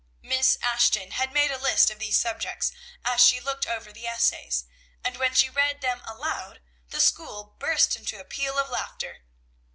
Miss Ashton had made a list of these subjects as she looked over the essays, and when she read them aloud, the school burst into a peal of laughter.